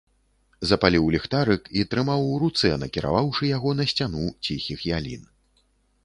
Запаліў ліхтарык і трымаў у руцэ, накіраваўшы яго на сцяну ціхіх ялін.